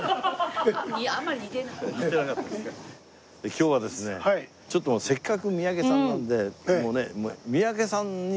今日はですねちょっとせっかく三宅さんなんで。